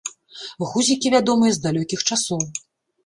Гузікі вядомыя з далёкіх часоў.